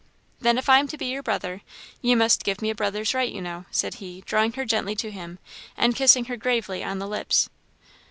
"Then, if I am to be your brother, you must give me a brother's right, you know," said he, drawing her gently to him, and kissing her gravely on the lips.